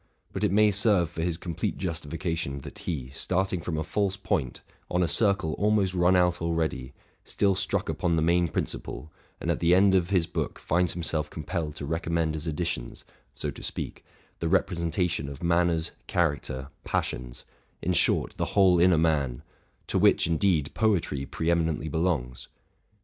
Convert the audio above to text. But it, may serve for his complete justification that he, starting from a false point, on a circle aioe run out already, still struck upon the main principle, and at the end of his book finds himself compelled to recommend as additions, so to speak, the representation of manners, character, passions, — in short, the whole inner man; to which, indeed, poetry pre eminently belongs.